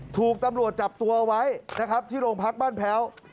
ถูกตำรวจจับตัวไว้นะครับที่โรงพักบ้านแพ้ว